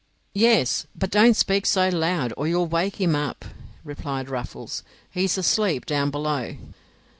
"Yes, but don't speak so loud, or you'll wake him up," replied Ruffles. "He is asleep down below."